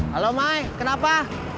halo mai kenapa